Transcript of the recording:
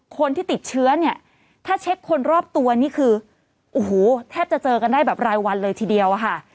คนที่ติดเชื้อเนี่ยถ้าเช็คคนรอบตัวนี่คือโอ้โหแทบจะเจอกันได้แบบรายวันเลยทีเดียวอะค่ะ